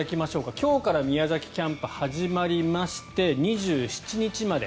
今日から宮崎キャンプが始まりまして２７日まで。